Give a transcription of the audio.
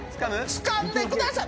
つかんでください！」